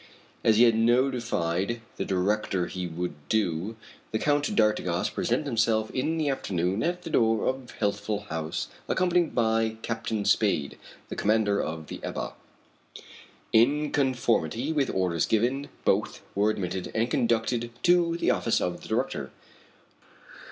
As he had notified the director he would do, the Count d'Artigas presented himself in the afternoon at the door of Healthful House, accompanied by Captain Spade, the commander of the Ebba. In conformity with orders given, both were admitted and conducted to the office of the director.